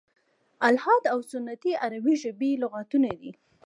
"الحاد او سنتي" عربي ژبي لغتونه دي.